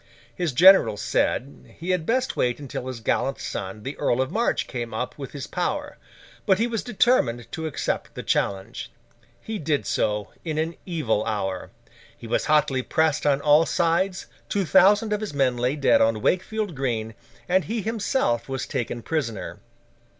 His generals said, he had best wait until his gallant son, the Earl of March, came up with his power; but, he was determined to accept the challenge. He did so, in an evil hour. He was hotly pressed on all sides, two thousand of his men lay dead on Wakefield Green, and he himself was taken prisoner.